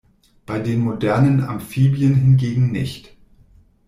Bei den modernen Amphibien hingegen nicht.